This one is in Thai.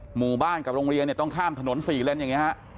หมู่บ้านกับโรงเรียนต้องข้ามถนนสี่เล่นอย่างนี้